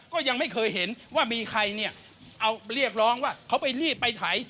ก็ยังไม่เคยเห็นว่ามีใครเนี่ยเอาเรียกร้องว่าเขาไปรีบไปไถ